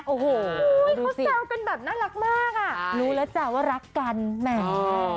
โอ้โหเขาแซวกันแบบน่ารักมากอ่ะรู้แล้วจ้ะว่ารักกันแหม